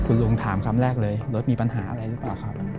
คุณลุงถามคำแรกเลยรถมีปัญหาอะไรหรือเปล่าครับ